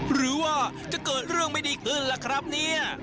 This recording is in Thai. หรือว่าจะเกิดเรื่องไม่ดีขึ้นล่ะครับเนี่ย